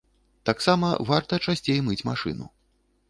Таксама варта часцей мыць машыну.